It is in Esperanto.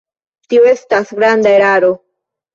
Tio estas granda eraro.